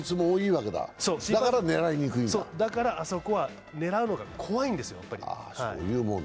だからあそこは狙うのが怖いんですよ。